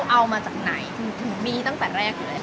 เอามาจากไหนถึงมีตั้งแต่แรกเลย